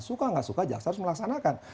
suka nggak suka jaksa harus melaksanakan